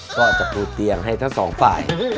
ก็จะปูเตียงให้ทั้งสองฝ่าย